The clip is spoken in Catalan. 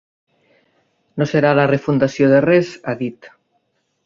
No serà la refundació de res ha dit.